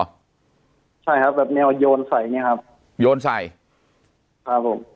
ใช่ครับแบบนี้โยนใส่อย่างนี้ครับ